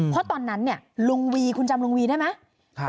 เพราะตอนนั้นลุงวีคุณจำลุงวีได้ไหม